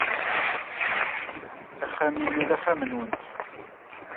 Axxam-inu d axxam-nwent.